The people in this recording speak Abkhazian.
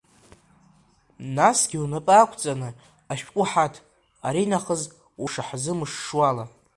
Насгьы унапы ақәҵаны ашәҟәы ҳаҭ, аринахыс ушаҳзы-мышшуала.